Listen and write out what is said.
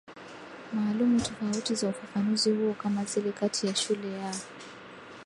maalumu Tofauti za ufafanuzi huo kama zile kati ya shule ya